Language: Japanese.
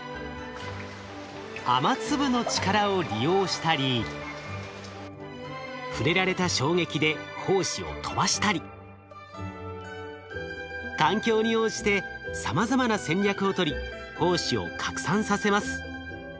雨粒の力を利用したり触れられた衝撃で胞子を飛ばしたり環境に応じてさまざまな戦略をとり胞子を拡散させます。